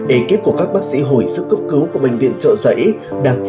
ê kiếp của các bác sĩ hội sức cấp cứu của bệnh viện trân vương phó giám đốc bệnh viện nhi đồng tp hcm